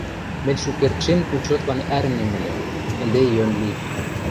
Мӹнь шукердшен учетлан ӓрӹнем ыльы, ӹнде йӧн ли